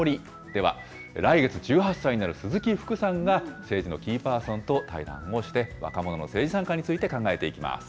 では、来月、１８歳になる鈴木福さんが、政治のキーパーソンと対談をして、若者の政治参加について考えていきます。